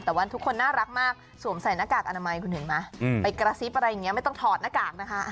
แต่ว่าทุกคนน่ารักมากสวมใส่หน้ากากอนามัยคุณเห็นไหมไปกระซิบอะไรอย่างนี้ไม่ต้องถอดหน้ากากนะคะ